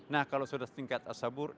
nah kalau sudah setingkat as sabur